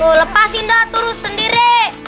ee lepasin dong terus sendiri